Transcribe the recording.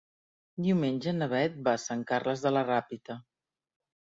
Diumenge na Beth va a Sant Carles de la Ràpita.